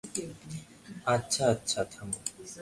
আচ্ছা, আচ্ছা, থামো।